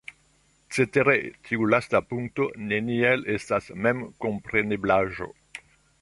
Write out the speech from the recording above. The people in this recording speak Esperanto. Cetere, tiu lasta punkto neniel estas memkompreneblaĵo.